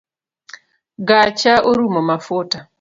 Gacha orumo mafuta